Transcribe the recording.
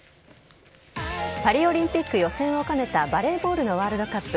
パリオリンピック予選を兼ねたバレーボールのワールドカップ。